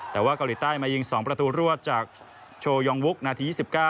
แต่ว่าเกาหลีใต้มายิง๒ประตูรวดจากโชยองวุกนาที๒๙